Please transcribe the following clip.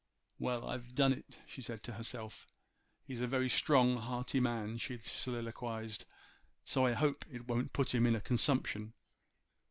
'Well! I've done it,' she said to herself. 'He's a very strong, hearty man,' she soliloquized, 'so I hope it won't put him in a consumption.